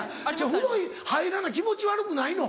風呂入らな気持ち悪くないの？